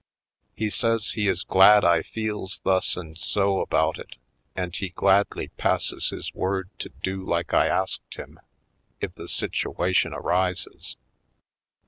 He says he is glad I feels thus and so about it and he gladly passes his word to do like I asked him, if the situation arises.